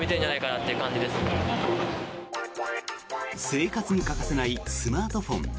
生活に欠かせないスマートフォン。